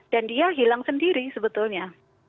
dan dia hilang sendiri sebetulnya